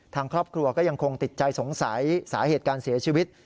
ทางครอบครัวก็ยังคงติดใจสงสัยสาเหตุการเสียชีวิต